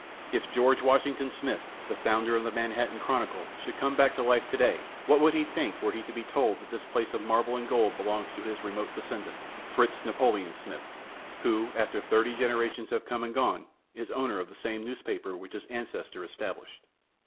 If George Washington Smith, the founder of the Manhattan "Chronicle," should come back to life to day, what would he think were he to be told that this palace of marble and gold belongs to his remote descendant, Fritz Napoleon Smith, who, after thirty generations have come and gone, is owner of the same newspaper which his ancestor established!